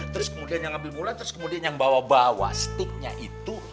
terus kemudian yang ambil mula terus kemudian yang bawa bawa sticknya itu